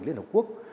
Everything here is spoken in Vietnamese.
liên hợp quốc